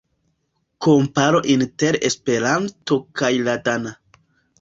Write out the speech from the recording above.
Komparo inter Esperanto kaj la dana.